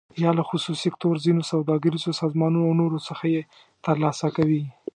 یا له خصوصي سکتور، ځینو سوداګریزو سازمانونو او نورو څخه یې تر لاسه کوي.